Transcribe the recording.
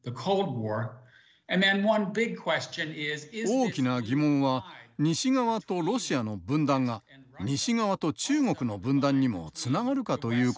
大きな疑問は西側とロシアの分断が西側と中国の分断にもつながるかということです。